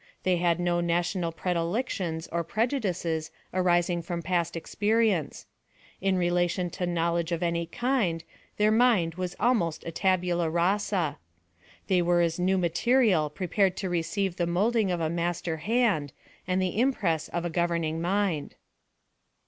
They had no national predilections or prejudices arising from past experience. In rela tion to knowledge of any kind, their mind was almost a tabula rasa. They were as new mate rial prepared to receive the moulding of a master hand, and the impress of a governing mind.